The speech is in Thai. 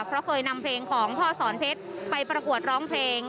เพราะเคยนำเพลงของพ่อสอนเพชรไปประกวดร้องเพลง